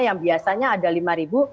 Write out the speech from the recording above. yang biasanya ada rp lima